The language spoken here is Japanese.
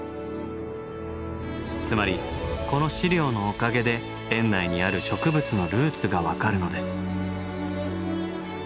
つまりこの資料のおかげで園内にある植物のルーツが分かるのです。